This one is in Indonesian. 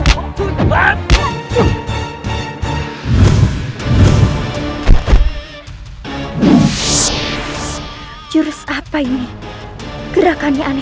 belah dasah kau